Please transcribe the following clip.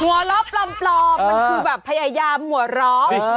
หัวเราะปลอมมันคือแบบพยายามหัวเราะ